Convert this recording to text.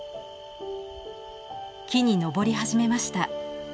木に登り始めました。